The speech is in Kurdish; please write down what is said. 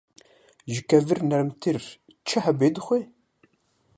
Ji kevir nermtir çi hebe dixwe.